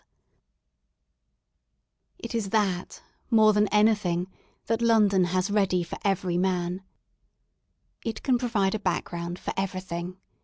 27 THE SOUL OF LONDON It is that, more than anything, that London has ready for every, man. It can provide a background for everything.